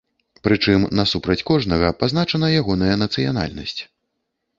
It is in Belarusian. Прычым насупраць кожнага пазначана ягоная нацыянальнасць.